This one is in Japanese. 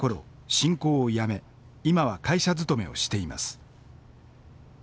信仰をやめ今は会社勤めをしています。